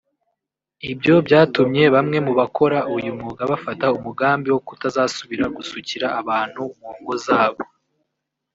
Ibyo byatumye bamwe mu bakora uyu mwuga bafata umugambi wo kutazasubira gusukira abantu mu ngo zabo